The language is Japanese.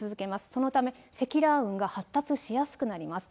そのため積乱雲が発達しやすくなります。